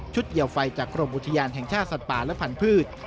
เกี่ยวไฟจากกรมอุทยานแห่งชาติสัตว์ป่าและพันธุ์